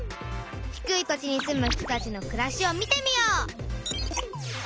「低い土地に住む人たちのくらし」を見てみよう！